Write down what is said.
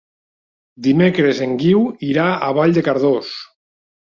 Dimecres en Guiu irà a Vall de Cardós.